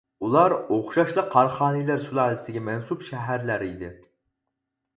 ئۇلار ئوخشاشلا قاراخانىيلار سۇلالىسىگە مەنسۇپ شەھەرلەر ئىدى.